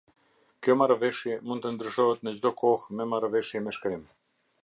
Kjo Marrëveshje mund të ndryshohet në çdo kohë me marrëveshje me shkrim.